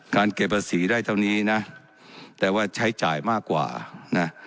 เก็บภาษีได้เท่านี้นะแต่ว่าใช้จ่ายมากกว่านะ